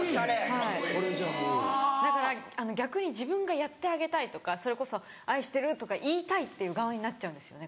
はいだから逆に自分がやってあげたいとかそれこそ「愛してる」とか言いたいっていう側になっちゃうんですよね。